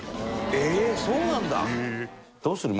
えっそうなんだ！